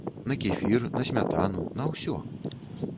На кефір, на смятану, на ўсё!